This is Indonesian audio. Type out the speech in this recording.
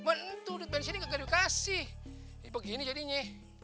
mentu duduk disini ga ada duit kasih ya begini jadinya